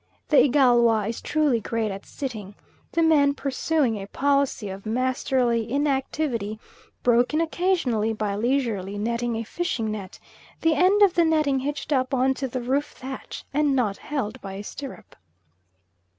The Igalwa is truly great at sitting, the men pursuing a policy of masterly inactivity, broken occasionally by leisurely netting a fishing net, the end of the netting hitched up on to the roof thatch, and not held by a stirrup.